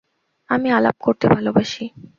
আমি আলাপ করতে ভালোবাসি।